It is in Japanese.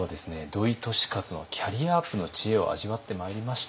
土井利勝のキャリアアップの知恵を味わってまいりました。